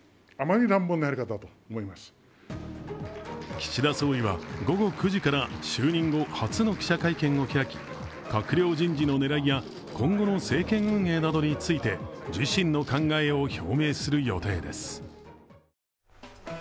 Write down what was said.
岸田総理は午後９時から就任後初の記者会見を開き閣僚人事の狙いや、今後の政権運営などについて自身の考えを表明する予定です。